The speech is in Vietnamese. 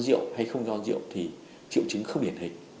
rượu hay không do rượu thì triệu chứng không điển hình